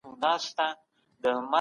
د نورو اذیت کول په اسلام کي منع دي.